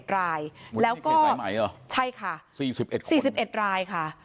๗รายแล้วก็ใช่ค่ะ๔๑๔๑รายค่ะ